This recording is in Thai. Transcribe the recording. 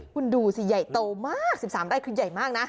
คุณดูสิใหญ่โตมาก๑๓ไร่คือใหญ่มากนะ